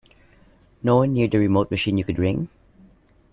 No one near the remote machine you could ring?